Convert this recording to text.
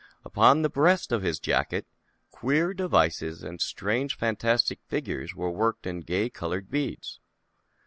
Upon the breast of his jacket queer devices and strange fan astic figures were worked in gay <X>/colored beads.